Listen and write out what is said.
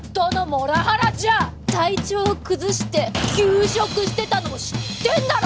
体調崩して休職してたのも知ってるだろ！